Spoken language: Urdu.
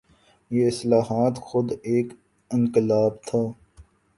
یہ اصلاحات خود ایک انقلاب تھا۔